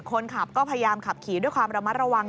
คนขับก็พยายามขับขี่ด้วยความระมัดระวัง